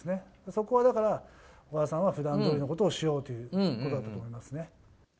そこはだから、岡田さんはふだんどおりのことをしようということですよね。